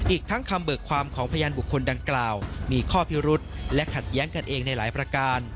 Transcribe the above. อีกทั้งคำเบิกความของพยานบุคคลดังกล่าวมีข้อพิรุษและขัดแย้งกันเองในหลายประการ